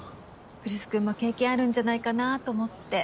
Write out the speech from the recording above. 来栖君も経験あるんじゃないかなと思って。